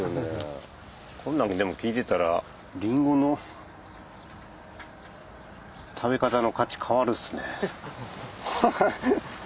こんなん聞いてたらりんごの食べ方の価値変わるっすね。